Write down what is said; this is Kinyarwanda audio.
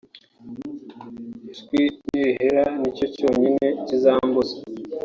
Ijwi ni rihera nicyo cyonyine kizambuza